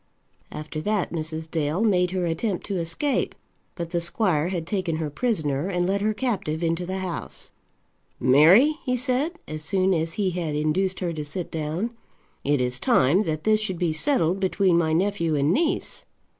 After that Mrs. Dale made her attempt to escape; but the squire had taken her prisoner, and led her captive into the house. "Mary," he said, as soon as he had induced her to sit down, "it is time that this should be settled between my nephew and niece."